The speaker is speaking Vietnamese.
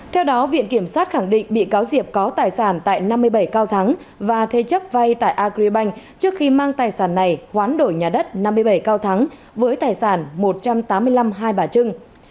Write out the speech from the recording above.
theo đó viện kiểm sát khẳng định bị cáo diệp có tài sản tại năm mươi bảy cao thắng và thế chấp vay tại agribank trước khi mang tài sản này hoán đổi nhà đất năm mươi bảy cao thắng với tài sản một trăm tám mươi năm hai bà trưng